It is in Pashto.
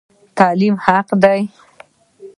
تعلیم حق دی